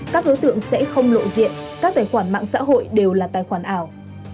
các đối tượng sẽ không lộ diện các tài khoản mạng xã hội đều là tài khoản ảo